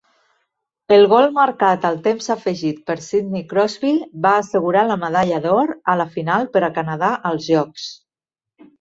El gol marcat al temps afegit per Sidney Crosby va assegurar la medalla d'or a la final per a Canadà als Jocs.